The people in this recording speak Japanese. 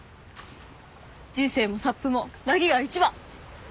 人生もサップもなぎが一番。